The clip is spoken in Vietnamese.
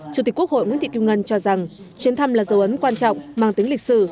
chủ tịch quốc hội nguyễn thị kim ngân cho rằng chuyến thăm là dấu ấn quan trọng mang tính lịch sử